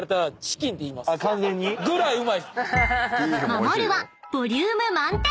［まもる。はボリューム満点！